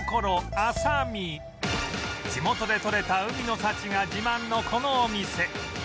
地元でとれた海の幸が自慢のこのお店